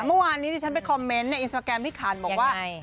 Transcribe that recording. เมื่อวานนี้ที่ฉันไปคอมเมนต์ในอินสตราแกรมพี่ขันบอกว่า